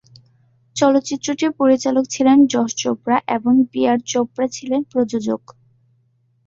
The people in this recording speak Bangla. চলচ্চিত্রটির পরিচালক ছিলেন যশ চোপড়া এবং বি আর চোপড়া ছিলেন প্রযোজক।